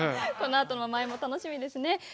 このあとの舞も楽しみです。